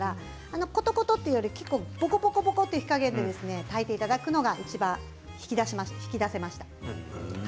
コトコトというよりボコボコボコという火加減で炊いていただくのが引き出せました。